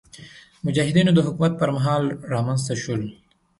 مجاهدینو د حکومت پر مهال رامنځته شول.